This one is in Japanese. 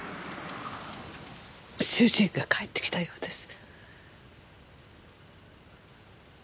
主人が帰ってきたようです。